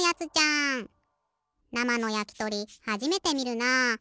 なまのやきとりはじめてみるな。